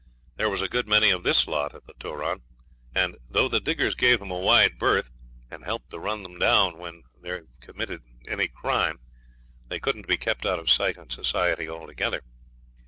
There was a good many of this lot at the Turon, and though the diggers gave them a wide berth, and helped to run them down when they'd committed any crime, they couldn't be kept out of sight and society altogether.